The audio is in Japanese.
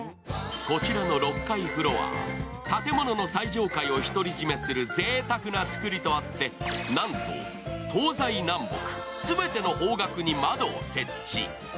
こちらの６階フロア、建物の最上階を独り占めするぜいたくな作りとあってなんと東西南北全ての方角に窓を設置。